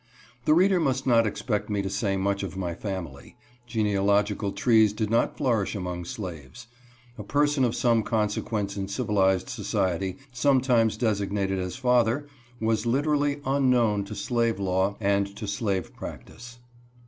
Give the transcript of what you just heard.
The reader must not expect me to say much of my family. Genealogical trees did not flourish among slaves. A person of some consequence in civilized society, some times designated as father, was literally unknown to 2 (25) 26 HIS GRANDMOTHER. slave law and to slave practice.